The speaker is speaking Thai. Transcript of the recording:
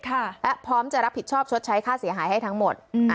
และพร้อมจะรับผิดชอบชดใช้ค่าเสียหายให้ทั้งหมด